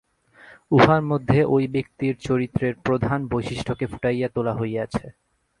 উহার মধ্যে ঐ ব্যক্তির চরিত্রের প্রধান বৈশিষ্ট্যকে ফুটাইয়া তোলা হইয়াছে।